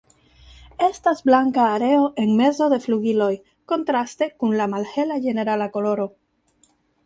Estas blanka areo en mezo de flugiloj kontraste kun la malhela ĝenerala koloro.